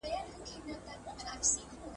د ادم د رباب سور ته پایزېبونه شرنګومه ,